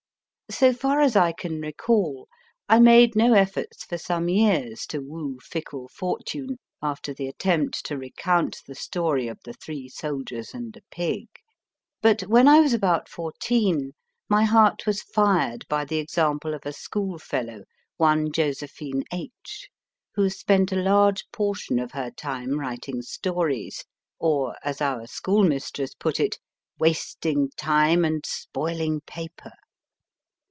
So far as I can recall, I made no efforts for some years to woo fickle fortune after the attempt to recount the story of the three soldiers and a pig ; but when I was about fourteen my heart was fired by the example of a schoolfellow, one Josephine H , who spent a large portion of her time writing stones, or, as our schoolmistress put it, wasting time and spoiling paper.